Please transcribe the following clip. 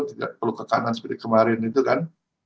tidak perlu ke kanan seperti kemarin itu kan